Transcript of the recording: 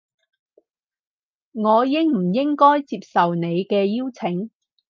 我應唔應該接受你嘅邀請